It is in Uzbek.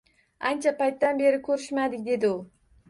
Ancha paytdan beri koʻrishmadik, – dedi u.